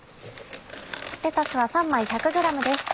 レタスは３枚１００ｇです。